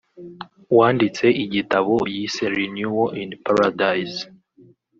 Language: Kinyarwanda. wanditse igitabo yise Renewal in Paradise